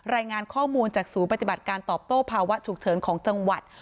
รายงานข้อมูลจากศูนย์ปฏิบัติการตอบโต้ภาวะฉุกเฉินของจังหวัด